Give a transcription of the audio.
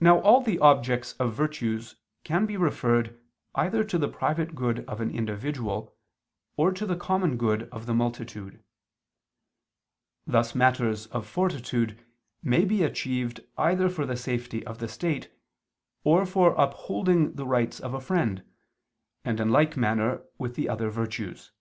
Now all the objects of virtues can be referred either to the private good of an individual, or to the common good of the multitude: thus matters of fortitude may be achieved either for the safety of the state, or for upholding the rights of a friend, and in like manner with the other virtues.